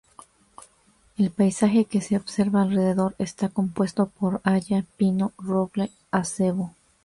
El paisaje que se observa alrededor está compuesto por haya, pino, roble, acebo.